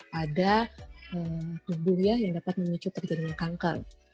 pada tubuh yang dapat menyebabkan terjadi kanker